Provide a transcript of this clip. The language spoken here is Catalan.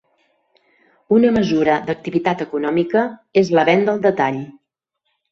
Una mesura d'activitat econòmica és la venda al detall.